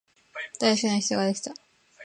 大好きな人ができた